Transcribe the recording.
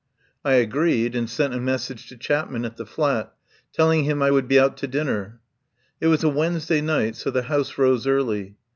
I agreed, and sent a message to Chapman at the flat, telling him I would be out to din ner. It was a Wednesday night, so the House rose early.